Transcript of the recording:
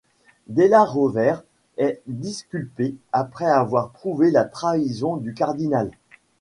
Della Rovere est disculpé après avoir prouvé la trahison du cardinal.